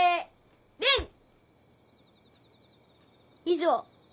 以上。